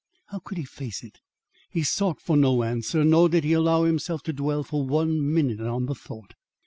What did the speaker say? How could he face it! He sought for no answer, nor did he allow himself to dwell for one minute on the thought.